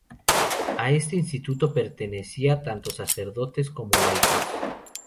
A este instituto pertenecían tanto sacerdotes como laicos.